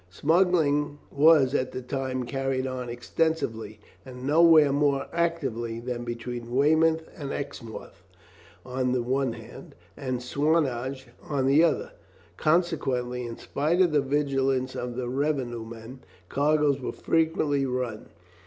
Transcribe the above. Smuggling was at the time carried on extensively, and nowhere more actively than between Weymouth and Exmouth on the one hand, and Swanage on the other. Consequently, in spite of the vigilance of the revenue men, cargoes were frequently run.